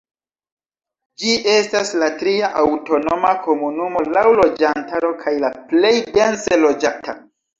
Ĝi estas la tria aŭtonoma komunumo laŭ loĝantaro kaj la plej dense loĝata.